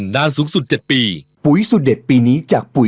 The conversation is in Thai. พ่อคิดผิดแล้วจ้ะ